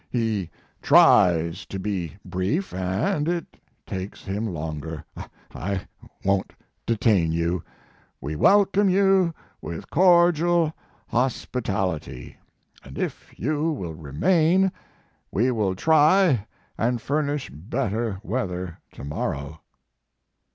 He tries to be brief and it takes him longer. I won t detain you. We welcome you with cordial hospitality, and if you will remain we will try and furnish better weather to morrow."